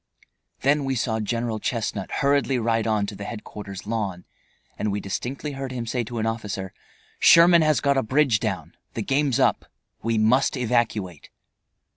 Then we saw General Chestnut hurriedly ride on to the headquarter's lawn, and we distinctly heard him say to an officer, "Sherman has got a bridge down. The game's up. We must evacuate."